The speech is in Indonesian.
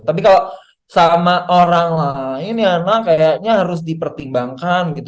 tapi kalo sama orang lain ya nah kayaknya harus dipertimbangkan gitu